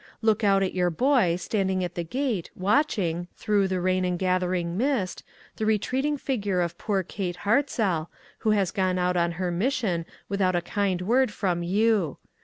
Look out at your boy, standing at the gate, watching, through the rain and gathering mist, the retreating figure of poor Kate Hartzell, who has gone out on her mission without a kind word from you.